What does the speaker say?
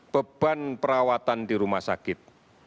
beban perawatan di rumah sakit